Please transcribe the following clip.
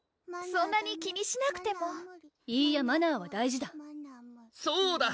そんなに気にしなくてもいいやマナーは大事だそうだ！